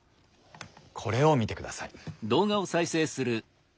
これを見てください。